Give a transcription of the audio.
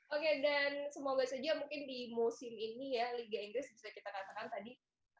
oke dan semoga saja mungkin di musim ini ya liga inggris bisa kita katakan tadi